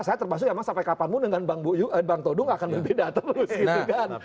saya termasuk ya mas sampai kapanmu dengan bang todung akan berbeda terus gitu kan